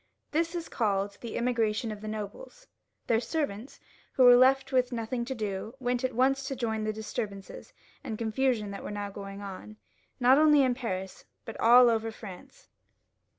This is called the Emigration of the Nobles. Their servants, who were left with nothing to do, went at once to join in the disturbances and confusion that were now going on, not only in Paris, but all over France.